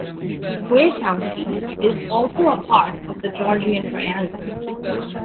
Grey County is also a part of the Georgian Triangle.